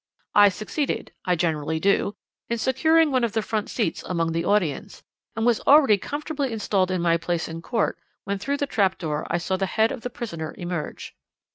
"I succeeded I generally do in securing one of the front seats among the audience, and was already comfortably installed in my place in court when through the trap door I saw the head of the prisoner emerge.